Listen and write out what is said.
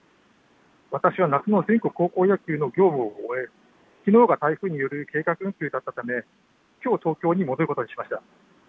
私は夏の全国高校野球の業務を終え、きのうは台風による計画運休だったためきょう東京に戻ることにしました。